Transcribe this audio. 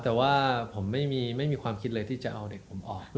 แต่ว่าผมไม่มีความคิดเลยที่จะเอาเด็กผมออก